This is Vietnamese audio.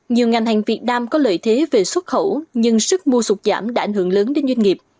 nhiều ngành hàng việt nam có lợi thế về xuất khẩu nhưng sức mua sụt giảm đã ảnh hưởng lớn đến doanh nghiệp